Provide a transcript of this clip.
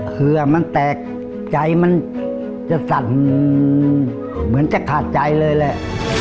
เผื่อมันแตกใจมันจะสั่นเหมือนจะขาดใจเลยแหละ